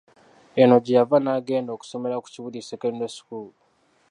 Eno gye yava n'agenda okusomera ku Kibuli Secondary School.